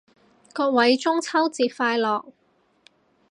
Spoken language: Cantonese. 各位中秋節快樂